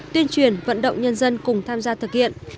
tuyên truyền vận động nhân dân cùng tham gia thực hiện